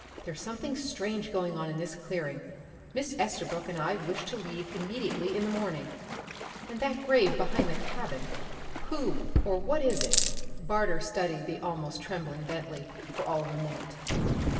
There's something strange going on in this clearing. Miss Estabrook and I wish to leave immediately in the morning! And that grave behind the cabin, who or what is it?" Barter studied the almost trembling Bentley for all of a minute.